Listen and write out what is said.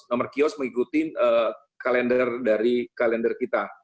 nomor kios mengikuti kalender dari kalender kita